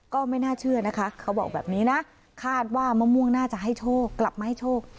ก็ไม่น่าเชื่อนะคะเขาบอกแบบนี้นะคาดว่ามะม่วงน่าจะให้โชคกลับมาให้โชค